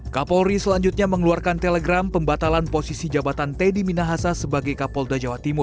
kapolri selanjutnya mengeluarkan telegram pembatalan posisi jabatan teddy minahasa sebagai kapolda jawa timur